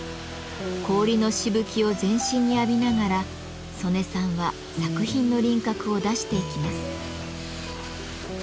氷のしぶきを全身に浴びながら曽根さんは作品の輪郭を出していきます。